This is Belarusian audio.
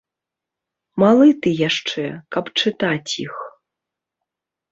Малы ты яшчэ, каб чытаць іх.